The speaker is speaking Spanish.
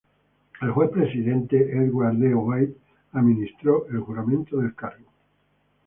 El Juez presidente, Edward D. White, administró el juramento del cargo.